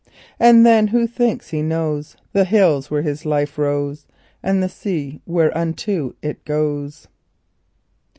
And then he thinks he knows The hills where his life rose And the sea whereunto it goes."